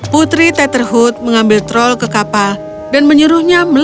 putri tetherhood mengambil troll ke kapal dan menyuruhnya melalui